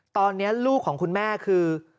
ตอนนี้ลูกของคุณแม่คือ